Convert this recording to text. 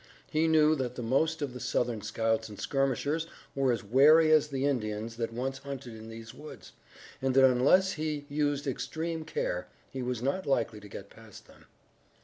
He knew that the most of the Southern scouts and skirmishers were as wary as the Indians that once hunted in these woods, and that, unless he used extreme care, he was not likely to get past them.